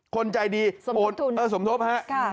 คนใจดีสมทบ